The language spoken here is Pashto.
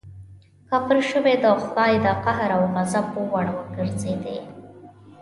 کافر شوې د خدای د قهر او غضب وړ وګرځېدې.